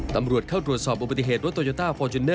ตำรวจเข้าตรวจสอบอุบัติเหตุรถโตโยต้าฟอร์จูเนอร์